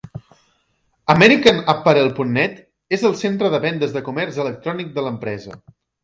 AmericanApparel.net és el centre de vendes de comerç electrònic de l'empresa.